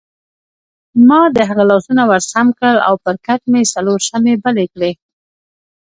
ما د هغه لاسونه ورسم کړل او پر کټ مې څلور شمعې بلې کړې.